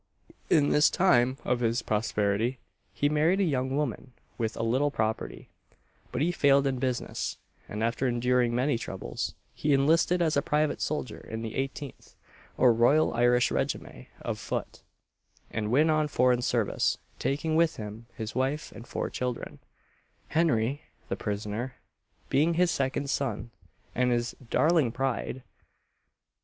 In this time of his prosperity he married a young woman with a little property, but he failed in business, and, after enduring many troubles, he enlisted as a private soldier in the 18th, or Royal Irish Regiment of Foot, and went on foreign service, taking with him his wife and four children Henry (the prisoner) being his second son, and his "darling pride."